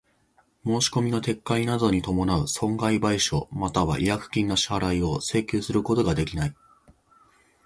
申込みの撤回等に伴う損害賠償又は違約金の支払を請求することができない。